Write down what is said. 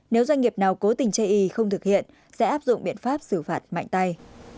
nếu doanh nghiệp nào cố tình chây y không thực hiện sẽ áp dụng biện pháp xử phạt mạnh tay